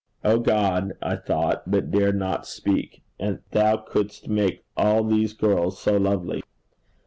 'O God!' I thought, but dared not speak, 'and thou couldst make all these girls so lovely!